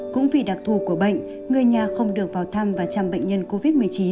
cũng vì đặc thù của bệnh người nhà không được vào thăm và chăm bệnh nhân covid một mươi chín